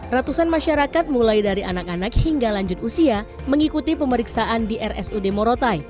ratusan masyarakat mulai dari anak anak hingga lanjut usia mengikuti pemeriksaan di rsud morotai